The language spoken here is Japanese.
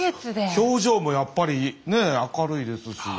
表情もやっぱりね明るいですし。